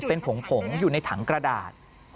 เป็นผงผงอยู่ในถังกระดาษ